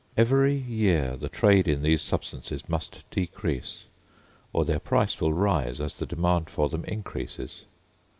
Every year the trade in these substances must decrease, or their price will rise as the demand for them increases.